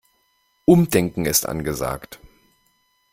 Umdenken ist angesagt.